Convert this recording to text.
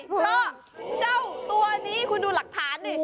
เพราะเจ้าตัวนี้คุณดูหลักฐานดิ